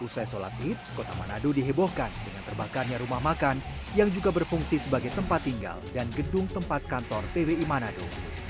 usai sholat id kota manado dihebohkan dengan terbakarnya rumah makan yang juga berfungsi sebagai tempat tinggal dan gedung tempat kantor pwi manado